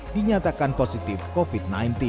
dinyatakan positif covid sembilan belas